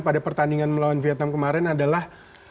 pada pertandingan melawan vietnam kemarin adalah